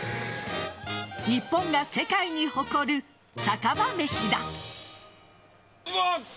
日本が世界に誇る酒場めしだ。